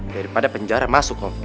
daripada penjara masuk om